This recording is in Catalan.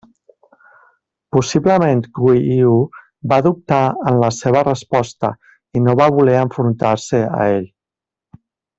Possiblement Guiu va dubtar en la seva resposta i no va voler enfrontar-se a ell.